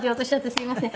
すいません。